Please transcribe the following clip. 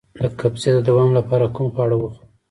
د قبضیت د دوام لپاره کوم خواړه وخورم؟